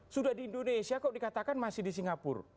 sudah di indonesia kok dikatakan masih di singapura